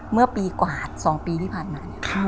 เมื่อปีกวาด๒ปีที่ผ่านมา